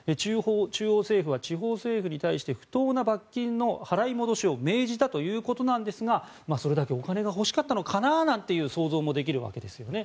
中央政府は地方政府に対して不当な罰金の払い戻しを命じたということなんですがそれだけお金が欲しかったのかなという想像もできるんですね。